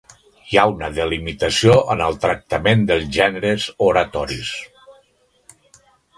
Hi ha una delimitació en el tractament dels gèneres oratoris.